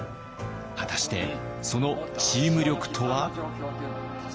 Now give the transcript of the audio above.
果たしてそのチーム力とは？